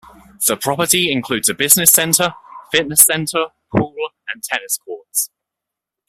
The property includes a business center, fitness center, pool and tennis courts.